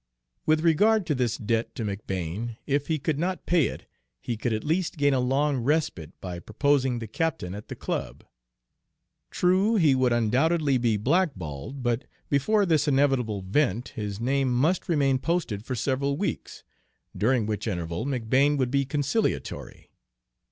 With regard to this debt to McBane, if he could not pay it, he could at least gain a long respite by proposing the captain at the club. True, he would undoubtedly be blackballed, but before this inevitable event his name must remain posted for several weeks, during which interval McBane would be conciliatory.